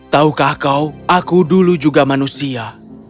taukah kau aku dulu juga manusia